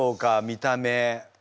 見た目。